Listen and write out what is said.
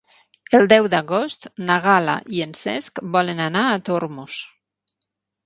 El deu d'agost na Gal·la i en Cesc volen anar a Tormos.